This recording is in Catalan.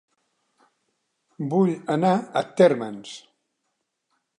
Vull anar a Térmens